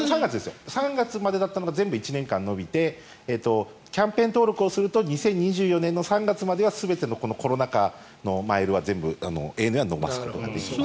３月までだったのが全部１年間延びてキャンペーン登録をすると２０２４年の３月まではこのコロナ禍のマイルは全部、ＡＮＡは使うことができます。